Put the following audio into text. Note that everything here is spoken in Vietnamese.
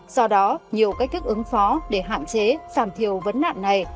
do đó nhiều cách thức ứng phó để hạn chế giảm thiểu vấn nạn này